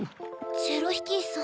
チェロヒキーさん。